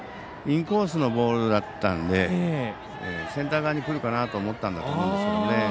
インコースのボールだったんでセンター側にくるかなと思ったんだと思うんですけどね。